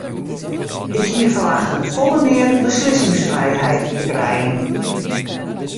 Ik hie ferwachte folle mear beslissingsfrijheid te krijen.